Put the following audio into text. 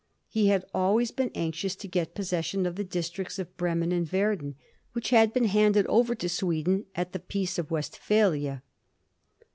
He had always been anxious to get possession of the districts of Bremen and Verden,. which had been handed over to Sweden at the Peace of Westphalia.